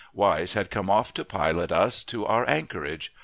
Wise had come off to pilot us to our anchorage.